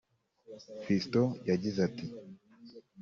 Fiston yagize ati